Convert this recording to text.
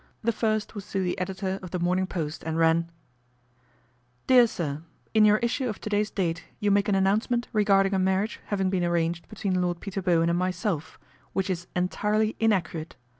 The first was to the editor of The Morning Post, and ran :" DEAR SIR, " In your issue of to day's date you make an announcement regarding a marriage having been arranged between Lord Peter Bowen and myself, which is entirely inaccurate.